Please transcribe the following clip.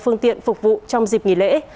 phương tiện phục vụ trong dịp nghỉ lễ